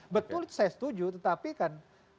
betul saya setuju tetapi kan